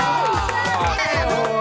adik model sih